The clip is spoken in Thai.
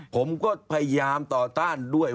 ผมก็พยายามต่อต้านด้วย